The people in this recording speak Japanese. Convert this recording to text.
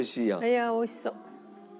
いやおいしそう。